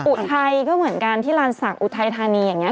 อุทัยก็เหมือนกันที่ลานศักดิ์อุทัยธานีอย่างนี้